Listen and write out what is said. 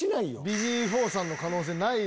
ビジーフォーさんの可能性ない？